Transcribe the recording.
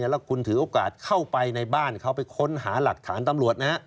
แล้วคุณถือโอกาสเข้าไปในบ้านเขาไปค้นหาหลักฐานตำรวจนะ